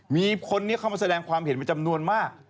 มีคนนี้เข้ามาแสดงความเห็นเป็นจำนวนมาก